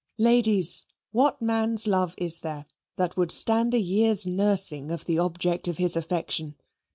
Ladies, what man's love is there that would stand a year's nursing of the object of his affection?